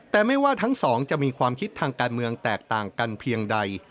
แต่ไม่ว่าทั้งสองจะมีความคิดทางการเมืองแตกต่างกันเพียงใด